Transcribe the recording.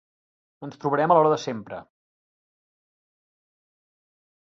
Ens trobarem a l'hora de sempre.